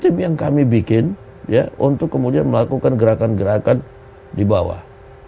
tim yang kami bikin ya untuk kemudian melakukan gerakan gerakan di bawah